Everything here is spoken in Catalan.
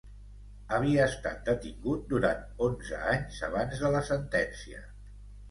Havia estat detingut durant onze anys abans de la sentència.